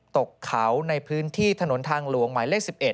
ตกเขาในพื้นที่ถนนทางหลวงหมายเลข๑๑